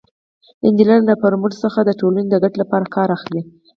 انجینر له فورمول څخه د ټولنې د ګټې لپاره کار اخلي.